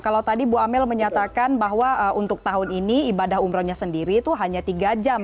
kalau tadi bu amel menyatakan bahwa untuk tahun ini ibadah umrohnya sendiri itu hanya tiga jam